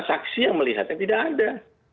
saksi yang melihatnya tidak ada